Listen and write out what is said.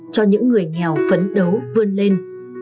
cho những người nghèo phấn đấu vươn lên